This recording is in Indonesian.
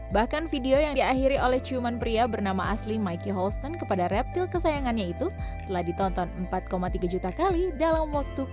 bahkan video yang diakhiri oleh ciuman pria bernama asli mickey holsten kepada reptil kesayangannya itu telah ditonton empat tiga juta kali dalam waktu